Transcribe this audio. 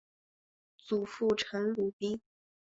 祖父陈鲁宾。